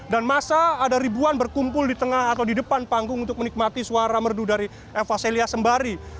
dan masa ada ribuan berkumpul di tengah atau di depan panggung untuk menikmati suara merdu dari eva celia sembari